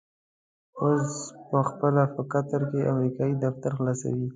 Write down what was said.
اوس په خپله په قطر کې امريکايي دفتر خلاصوي.